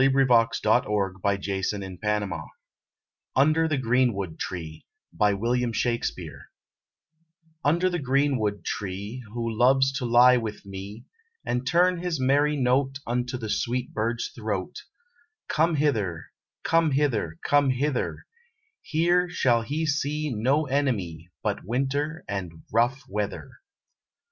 Robert Browning RAINBOW GOLD "UNDER THE GREENWOOD TREE" UNDER the greenwood tree, Who loves to lie with me, And turn his merry note Unto the sweet bird's throat, Come hither, come hither, come hither: Here shall he see No enemy But winter and rough weather.